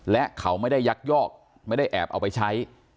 และเขาไม่ได้ยักยอกไม่ได้แอบเอาไปใช้